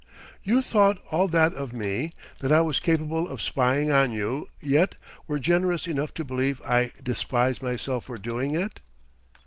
"You thought all that of me that I was capable of spying on you yet were generous enough to believe I despised myself for doing it?"